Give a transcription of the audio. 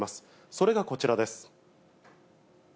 それがこちらです。